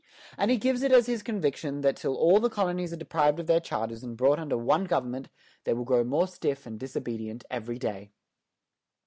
And he gives it as his conviction that till all the colonies are deprived of their charters and brought under one government, "they will grow more stiff and disobedient every Day."